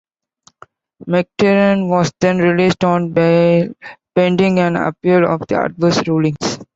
McTiernan was then released on bail pending an appeal of the adverse rulings.